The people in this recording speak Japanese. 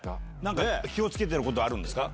気を付けてることあるんですか？